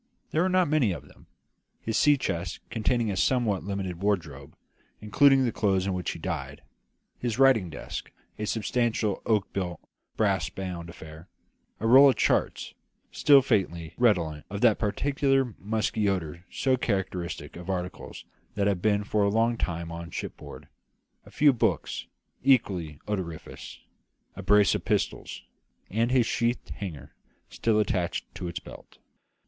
There were not many of them: his sea chest, containing a somewhat limited wardrobe, including the clothes in which he died; his writing desk, a substantial oak built, brass bound affair; a roll of charts, still faintly redolent of that peculiar musty odour so characteristic of articles that have been for a long time on shipboard; a few books, equally odoriferous; a brace of pistols; and his sheathed hanger, still attached to its belt.